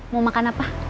mau makan apa